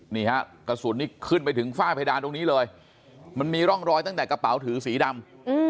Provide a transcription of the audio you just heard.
นี่ฮะกระสุนนี่ขึ้นไปถึงฝ้าเพดานตรงนี้เลยมันมีร่องรอยตั้งแต่กระเป๋าถือสีดำ